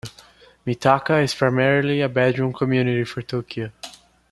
Mitaka is primarily a bedroom community for Tokyo.